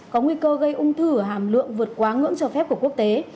có nguy cơ gây ung thư ở hàm lượng vượt quá ngưỡng cho phép của quốc tế